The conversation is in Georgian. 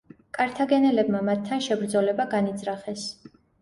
კართაგენელებმა მათთან შებრძოლება განიძრახეს.